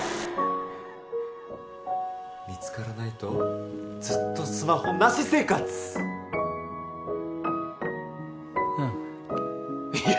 見つからないとずっとスマホなし生活うんいや